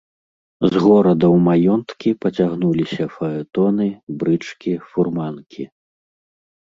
З горада ў маёнткі пацягнуліся фаэтоны, брычкі, фурманкі.